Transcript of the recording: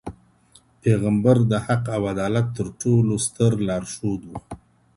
پيغمبر د حق او عدالت تر ټولو ستر لارښود و.